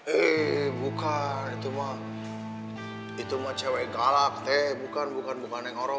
eh bukan itu mah cewek galak teh bukan yang orang